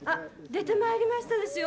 出てまいりましたですよ！